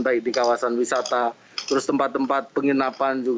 baik di kawasan wisata terus tempat tempat penginapan